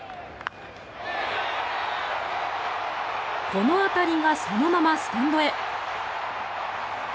この当たりがそのままスタンドへ。